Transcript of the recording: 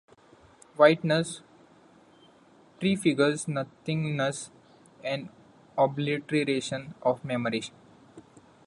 Whiteness prefigures nothingness and obliteration of memory.